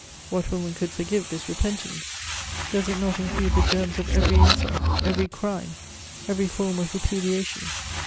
What woman could forgive this repentance? Does it not include the germs of every insult, every crime, every form of repudiation?